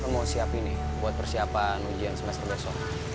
mau siapin nih buat persiapan ujian semester besok